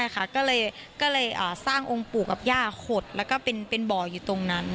ก็เลยสร้างองค์ปู่กับย่าขดแล้วก็เป็นบ่ออยู่ตรงนั้น